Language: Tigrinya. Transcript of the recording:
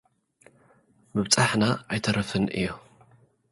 ምብጻሕና ኣይተፍርን እዩ።